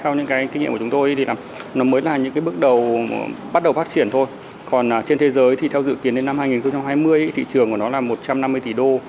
sau những cái kinh nghiệm của chúng tôi thì nó mới là những bước đầu bắt đầu phát triển thôi còn trên thế giới thì theo dự kiến đến năm hai nghìn hai mươi thị trường của nó là một trăm năm mươi tỷ đô